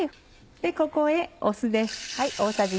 ここへ酢です。